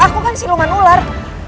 aku kan si luman ular